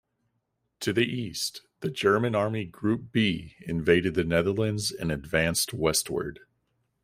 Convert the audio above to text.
To the east, the German Army Group B invaded the Netherlands and advanced westward.